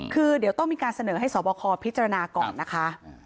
คือเดี๋ยวต้องมีการเสนอให้สอบคอพิจารณาก่อนนะคะ